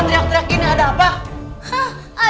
teriak teriakin ada apa